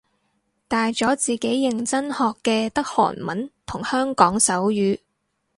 大咗自己認真學嘅得韓文同香港手語